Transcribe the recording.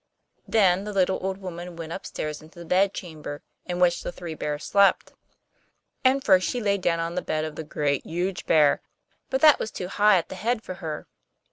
Then the little old woman went up stairs into the bed chamber in which the three bears slept. And first she lay down upon the bed of the Great, Huge Bear; but that was too high at the head for her.